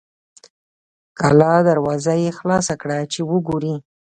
کلا دروازه یې خلاصه کړه چې وګوري.